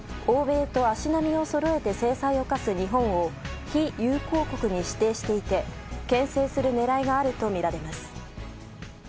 欧米と足並みをそろえて制裁を科す日本を非友好国に指定していて牽制する狙いがあるとみられます。